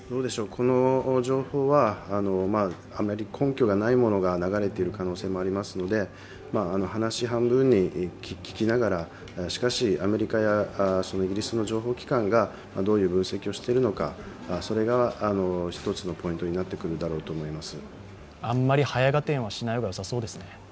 この情報はあまり根拠がないものが流れている可能性がありますので話半分に聞きながら、しかしアメリカやイギリスの情報機関がどういう分析をしているのか、それが一つのポイントになってくるんじゃないかと思います。